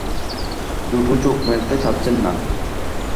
দুটি চোখ মেলতে চাচ্ছেন না।